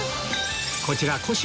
こちら小芝